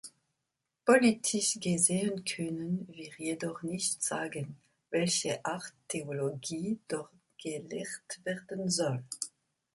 Politisch gesehen können wir jedoch nicht sagen, welche Art Theologie dort gelehrt werden soll.